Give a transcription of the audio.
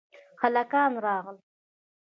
هلکان راغل